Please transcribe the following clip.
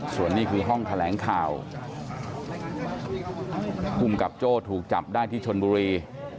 ส่วนนี้คือห้องแถลงข่าวภูมิกับโจ้ถูกจับได้ที่ชนบุรี